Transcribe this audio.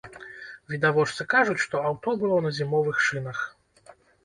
Відавочцы кажуць, што аўто было на зімовых шынах.